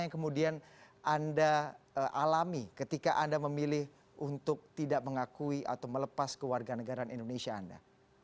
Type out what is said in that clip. yang kemudian anda alami ketika anda memilih untuk tidak mengakui atau melepas kewarganegaraan indonesia anda